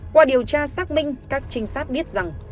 qua điều tra xác minh các trinh sát biết rằng